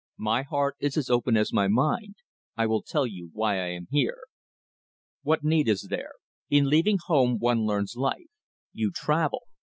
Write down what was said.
My heart is as open as my mind. I will tell you why I am here." "What need is there? In leaving home one learns life. You travel.